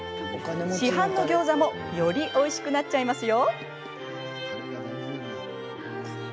市販のギョーザもよりおいしくなっちゃいますよ。